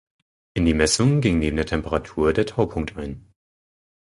In die Messung ging neben der Temperatur der Taupunkt ein.